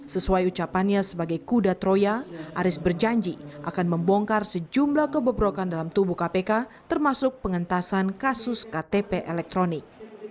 sesuai ucapannya sebagai kuda troya aris berjanji akan membongkar sejumlah kebebrokan dalam tubuh kpk termasuk pengentasan kasus ktp elektronik